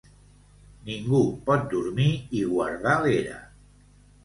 Ningú pot dormir i guardar l'era.